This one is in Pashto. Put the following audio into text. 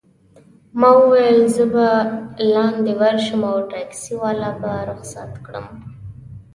ما وویل: زه به لاندي ورشم او ټکسي والا به رخصت کړم.